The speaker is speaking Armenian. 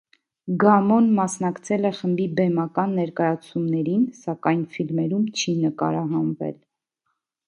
Գամոն մասնակցել է խմբի բեմական ներկայացումներին, սակայն ֆիլմերում չի նկարահանվել։